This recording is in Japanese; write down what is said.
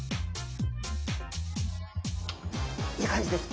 いい感じです。